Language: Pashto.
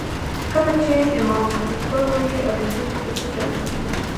کله چې امام خطبه وايي اوريدونکي به څه ډول کيني